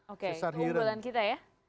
oke itu unggulan kita ya